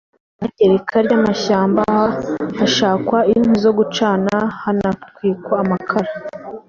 iyangirika ry’amashyamba hashakwa inkwi zo gucana hanatwikwa amakara